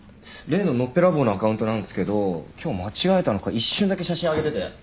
例ののっぺらぼうのアカウントなんすけど今日間違えたのか一瞬だけ写真上げてて。